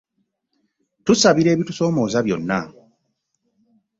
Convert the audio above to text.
Tusabira ebitusoomooza byonna.